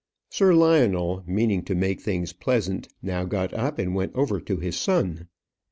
Sir Lionel, meaning to make things pleasant, now got up, and went over to his son.